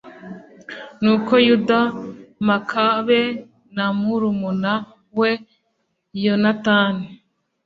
nuko yuda makabe na murumuna we yonatani